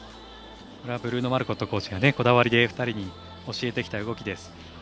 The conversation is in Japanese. ブルーノ・マルコットコーチがこだわりで２人に教えてきた動きです。